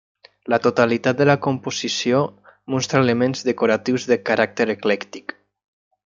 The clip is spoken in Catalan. La totalitat de la composició mostra elements decoratius de caràcter eclèctic.